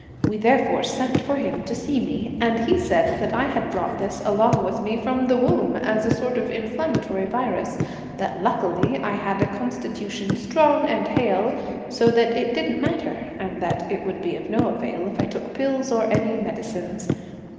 We therefore sent for him to see me, and he said that I had brought this along with me from the womb as a sort of inflammatory virus, that luckily I had a constitution strong and hale so that it didn't matter; and that it would be of no avail if I took pills or any medicines.